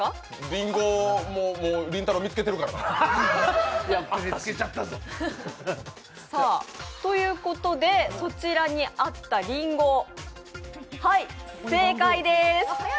りんごもうりんたろー見つけてるからな。ということで、そちらにあったりんご、はい、正解です。